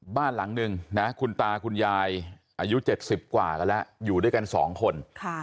บ้านหลังนึงนะคุณตาคุณยายอายุ๗๐กว่ากันแล้วอยู่ด้วยกัน๒คน